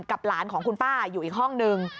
หลานของคุณป้าอยู่อีกห้องนึง